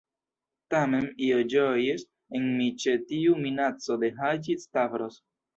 Tamen, io ĝojis en mi ĉe tiu minaco de Haĝi-Stavros.